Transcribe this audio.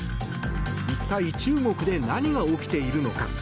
一体、中国で何が起きているのか。